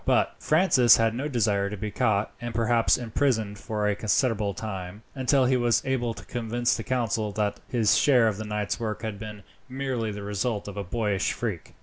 But Francis had no desire to be caught, and perhaps imprisoned for a considerable time, until he was able to convince the council that his share of the night's work had been merely the result of a boyish freak.